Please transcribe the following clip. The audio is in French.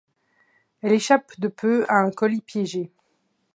Elle échappe de peu à un colis piéger.